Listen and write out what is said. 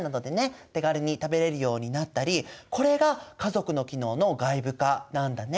手軽に食べれるようになったりこれが家族の機能の外部化なんだね。